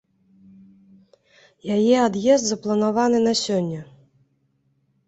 Яе ад'езд запланаваны на сёння.